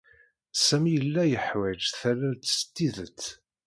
Sami yella yeḥwaj tallalt s tidet.